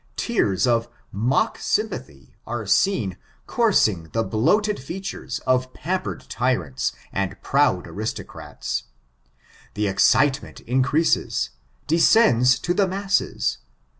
Tears of mock sympathy are seen coursing the bloated features of pampered tyrants, and proud aristocrats. The excitement increases, descends to the masses.